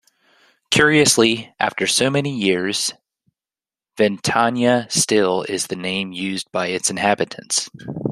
Curiously, after so many years, Ventania still is the name used by its inhabitants.